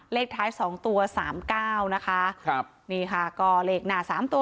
เลขท้ายสองตัวสามเก้านะคะครับนี่ค่ะก็เลขหน้าสามตัว